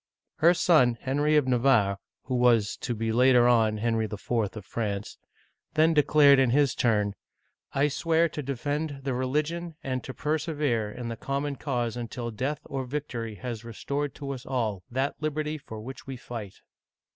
Her son, Henry of Navarre (who was to be later on Henry IV. of France), then declared, in his turn :" I swear to defend the religion, and to persevere in the common cause until death or vic tory has restored to us all that liberty for which we fight."